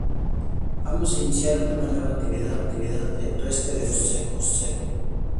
Ambos se iniciaron en una nueva actividad, el tueste de frutos secos.